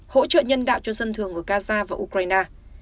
hỗ trợ nhân đạo cho dân thường ở gaza và ukraine